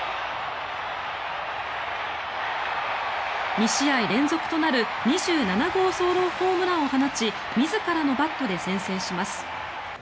２試合連続となる２７号ソロホームランを放ち自らのバットで先制します。